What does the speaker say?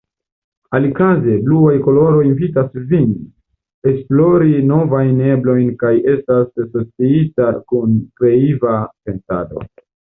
Alikaze, bluaj koloroj invitas vin esplori novajn eblojn kaj estas asociita kun kreiva pensado.